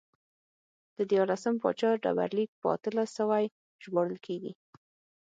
د دیارلسم پاچا ډبرلیک په اتلس سوی ژباړل کېږي